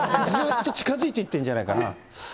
ずーっと近づいていってるんじゃないかな。